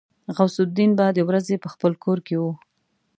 غوث الدين به د ورځې په خپل کور کې و.